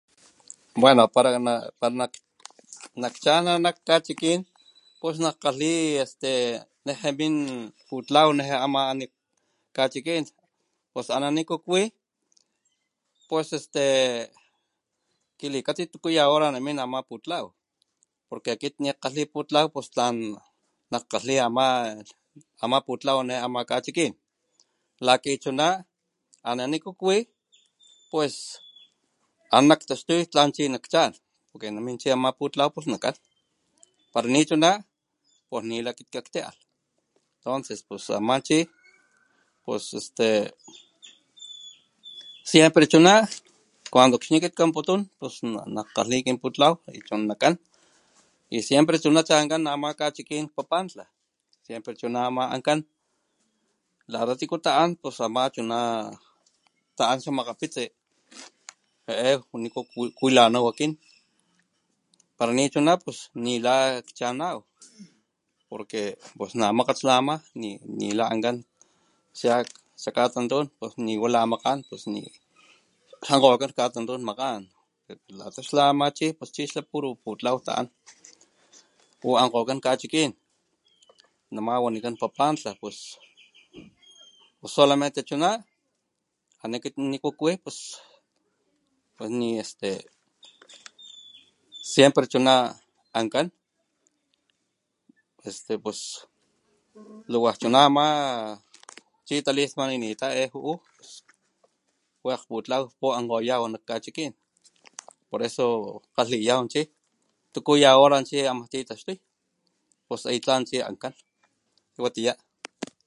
Wana para nak chan akit nakkachikin pos nakkalhi este tamin putlaw nema namin kachikin pos ana niku kwi pos este kilikatsit tuku ya hora min ama putlaw porque akit nikgalhi ama putlaw nakkatli ama putlaw ne ama kachikin lakichuna ana niku kwi pues ana naktaxtuy natlawan chi nakchan ay namin putlaw ay nakan para nichuna nila kitialh entonces pues ama chi pos este siempre chuna cuando akxni akit kanputun nak kgalhi kinputlaw y siempre chu ama chankan nak kachicki papantla siempre chu ama ankan lata ama tiku taan pos siempre natan xamakgapitsi jae niku kwilanaw akin para nichuna tlan kchanaw pus makgat xlama nila ankan xakatantun pos la makgan ankgokan katantun kagan lata chi ama puro putlaw taan puankgokan kachikin nama wanikan papantla pos solamente chuna ana akit niku kwi pos siempre chuna kan pos lawa chuna ama chitalismaninita jae juu wakg putlaw puankgoyaw nak kachikin por eso kgalhiyaw chi tuku ya hora nakiyaxtuw pos oyo tlan chi ankan watiya.